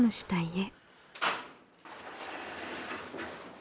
え？